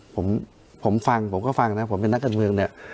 ผมผมฟังผมก็ฟังนะผมเป็นนักการเมืองเนี่ย